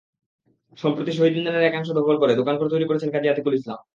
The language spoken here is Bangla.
সম্প্রতি শহীদ মিনারের একাংশ দখল করে দোকানঘর তৈরি করছেন কাজী আতিকুল ইসলাম।